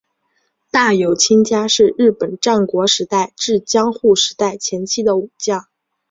大友亲家是日本战国时代至江户时代前期的武将。